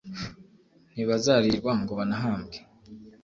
Ntibazaririrwa ngo banahambwe